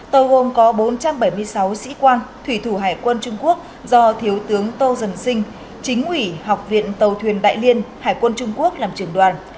tàu gồm có bốn trăm bảy mươi sáu sĩ quan thủy thủ hải quân trung quốc do thiếu tướng tô dân sinh chính ủy học viện tàu thuyền đại liên hải quân trung quốc làm trưởng đoàn